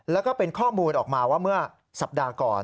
แล้วก็เป็นข้อมูลออกมาว่าเมื่อสัปดาห์ก่อน